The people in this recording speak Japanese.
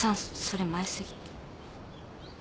それ前すぎ。